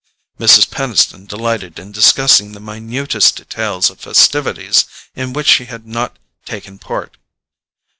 Mrs. Peniston delighted in discussing the minutest details of festivities in which she had not taken part.